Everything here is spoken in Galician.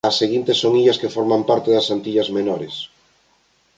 As seguintes son illas que forman parte das Antillas Menores.